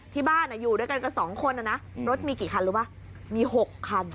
ที่บ้านอ่ะอยู่ด้วยกันกันสองคนเลยนะรถมีกี่คันรู้ป่ะมีหกคำ